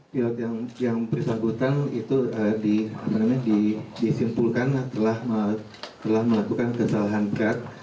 pilot yang bersangkutan itu disimpulkan telah melakukan kesalahan berat